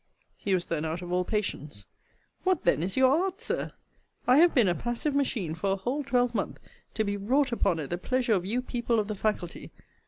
He was then out of all patience: What, then, is your art, Sir? I have been a passive machine for a whole twelvemonth, to be wrought upon at the pleasure of you people of the faculty.